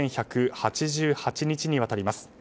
３１８８日にわたります。